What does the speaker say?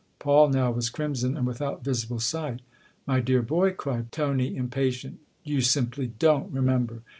Paul now was crimson and without visible sight. "My dear boy," cried Tony, impatient, "you simply don' I remember."